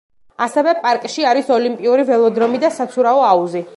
ასევე პარკში არის ოლიმპიური ველოდრომი და საცურაო აუზი.